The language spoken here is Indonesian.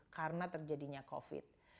karena terjadinya covid